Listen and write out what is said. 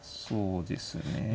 そうですね。